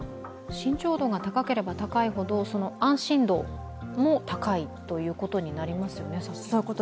慎重度が高ければ高いほど安心度も高いということになりますよね。